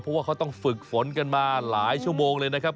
เพราะว่าเขาต้องฝึกฝนกันมาหลายชั่วโมงเลยนะครับ